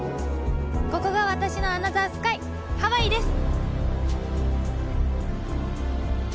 ここが私のアナザースカイ、ハワイです。